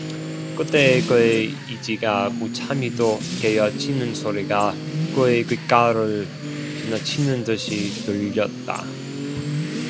그때에 그의 이지가 무 참히도 깨어지는 소리가 그의 귓가를 지나치는 듯이 들렸다.